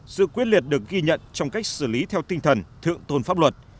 sự quyết liệt được ghi nhận trong cách xử lý theo tinh thần thượng tôn pháp luật